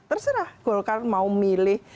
terserah golkar mau memilih